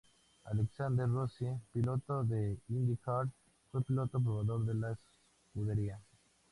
Alexander Rossi, piloto de IndyCar, fue piloto probador de la escudería.